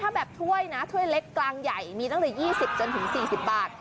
ถ้าแบบถ้วยนะถ้วยเล็กกลางใหญ่มีตั้งแต่๒๐จนถึง๔๐บาท